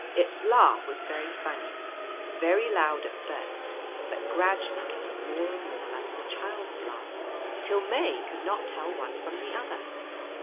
Its laugh was very funny, very loud at first, but gradually getting more and more like the Child's laugh, till May could not tell one from the other.